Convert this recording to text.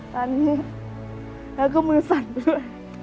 ตอนนี้แล้วก็มือสั่นด้วย